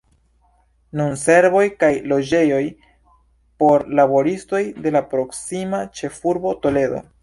Nun servoj kaj loĝejoj por laboristoj de la proksima ĉefurbo Toledo.